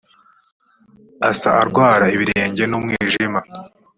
asa arwara ibirenge numwijima